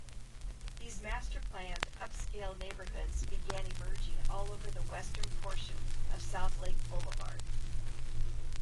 These master-planned upscale neighborhoods began emerging all over the western portion of Southlake Boulevard.